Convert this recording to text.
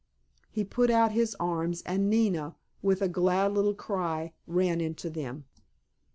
——" He put out his arms, and Nina, with a glad little cry, ran into them.